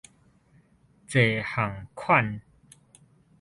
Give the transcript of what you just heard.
濟項款